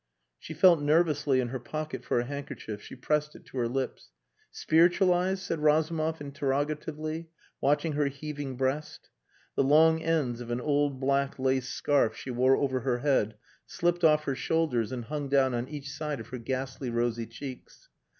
'..." She felt nervously in her pocket for a handkerchief; she pressed it to her lips. "Spiritualize?" said Razumov interrogatively, watching her heaving breast. The long ends of an old black lace scarf she wore over her head slipped off her shoulders and hung down on each side of her ghastly rosy cheeks.